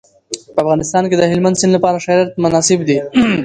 په افغانستان کې د هلمند سیند لپاره شرایط مناسب دي.